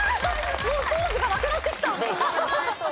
もうポーズがなくなってきた。